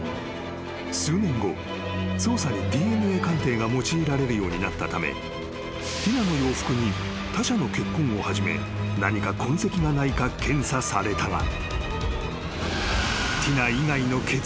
［捜査にＤＮＡ鑑定が用いられるようになったためティナの洋服に他者の血痕をはじめ何か痕跡がないか検査されたが］